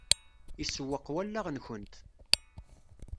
Isewweq wallaɣ-nkent.